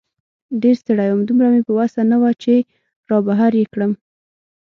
ډېر ستړی وم، دومره مې په وسه نه وه چې را بهر یې کړم.